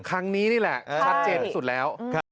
ครั้งนี้นี่แหละชัดเจนที่สุดแล้ว